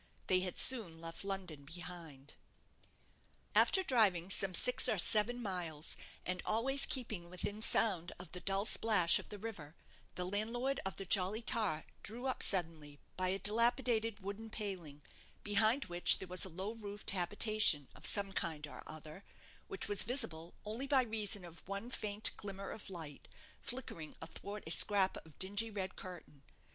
They had soon left London behind. After driving some six or seven miles, and always keeping within sound of the dull plash of the river, the landlord of the 'Jolly Tar' drew up suddenly by a dilapidated wooden paling, behind which there was a low roofed habitation of some kind or other, which was visible only by reason of one faint glimmer of light, flickering athwart a scrap of dingy red curtain.